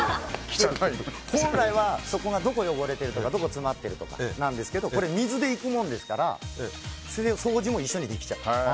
本来はどこが汚れてるどこが詰まってるとかですけど水で行くもんですから掃除も一緒にできちゃう。